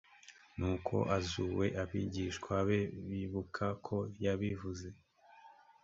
nuko azuwe abigishwa be bibuka ko yabivuze